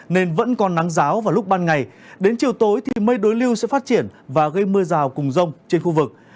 nên vẫn còn nắng giáo vào lúc ban ngày đến chiều tối thì mây đối lưu sẽ phát triển và gây mưa rào cùng rông trên khu vực